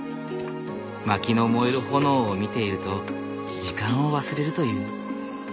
薪の燃える炎を見ていると時間を忘れるという。